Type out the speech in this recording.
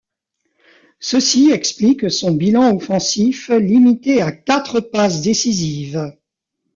Ceci explique son bilan offensif limité à quatre passes décisives.